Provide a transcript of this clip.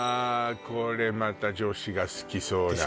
これまた女子が好きそうなでしょ